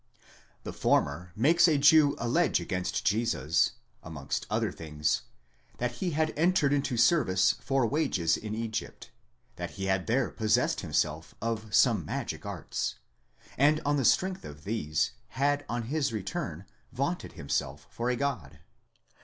The former makes a Jew allege against Jesus, amongst other things, that he had entered into service for wages in Egypt, that he had there possessed him self of some magic arts, and on the strength of these had on his return vaunted himself for a God.!